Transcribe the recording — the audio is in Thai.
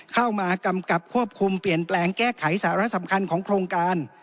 เข้ามากำกับควบคุมเปลี่ยนแปลงแก้ไขสาระสำคัญของโครงการ